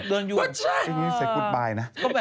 เดินอยู่เหรออันนี้คือซะดุ้งเหรอคุณสุดดูว่าเอ้า